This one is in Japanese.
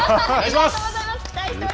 ありがとうございます。